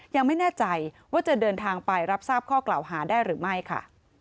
ยังไม่แน่ใจว่าจะเดินทางไปรับทราบข้อกล่าวหาได้หรือไม่ค่ะ